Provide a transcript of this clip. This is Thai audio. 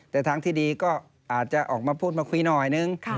แต่ทางที่ดีก็อาจจะออกมาพูดมาคุยหน่อยนึง